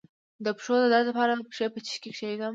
د پښو د درد لپاره پښې په څه شي کې کیږدم؟